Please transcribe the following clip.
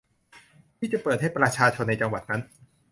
ที่จะเปิดให้ประชาชนในจังหวัดนั้น